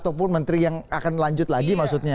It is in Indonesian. ataupun menteri yang akan lanjut lagi maksudnya